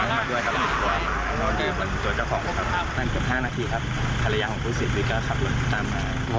นั่นเกือบ๕นาทีครับภรรยาของผู้เสียชีวิตก็ขับรถตามมา